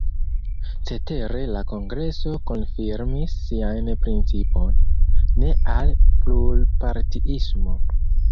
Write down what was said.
Cetere la kongreso konfirmis sian principon: ne al plurpartiismo.